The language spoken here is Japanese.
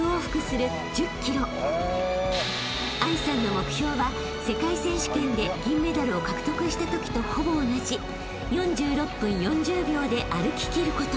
［藍さんの目標は世界選手権で銀メダルを獲得したときとほぼ同じ４６分４０秒で歩ききること］